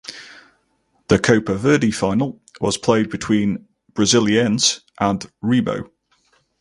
The Copa Verde final was played between Brasiliense and Remo.